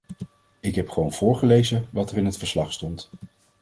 Ik heb gewoon voorgelezen wat er in het verslag stond.